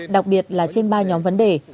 đặc biệt là trên ba nhóm vấn đề